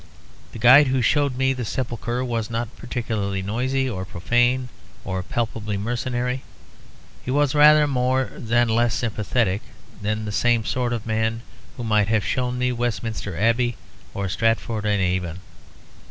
The guide who showed me the Sepulchre was not particularly noisy or profane or palpably mercenary; he was rather more than less sympathetic than the same sort of man who might have shown me Westminster Abbey or Stratford on Avon.